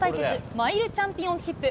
マイルチャンピオンシップ。